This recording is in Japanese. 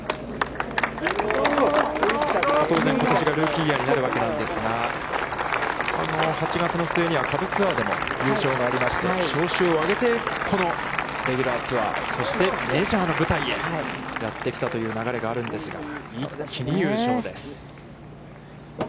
当然ことしがルーキーイヤーになるわけなんですが、８月の末には下部ツアーでも優勝がありまして、調子を上げてこのレギュラーツアー、そしてメジャーの舞台へ、やってきたという流れがあるんですが、一気に優勝です。